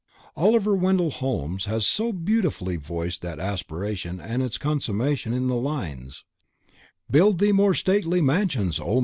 Oliver Wendell Holmes has so beautifully voiced that aspiration and its consummation in the lines: "Build thee more stately mansions Oh!